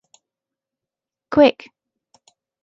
Quick!